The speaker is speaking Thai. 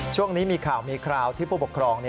ช่วงนี้มีข่าวมีคราวที่ผู้ปกครอง